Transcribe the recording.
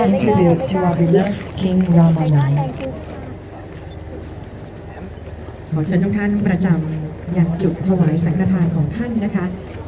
ขอเชิญทุกท่านประจำอย่างจุดถวายสังขทานของท่านนะคะ